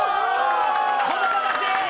子供たち！